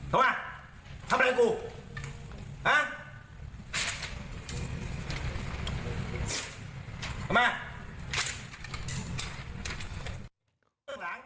ทำไมทำอะไรกูเอามา